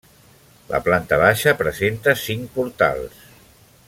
La planta baixa presenta cinc portals.